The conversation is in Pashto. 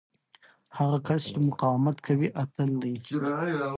هغه کس چې مقاومت کوي، اتل دی.